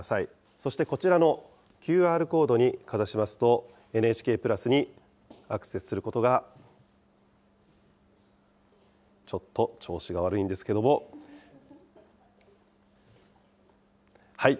そしてこちらのＱＲコードにかざしますと、ＮＨＫプラスにアクセスすることが、ちょっと調子が悪いんですけれども、はい、